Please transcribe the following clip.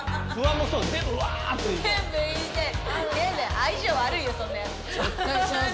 相性悪いよそんなやつ。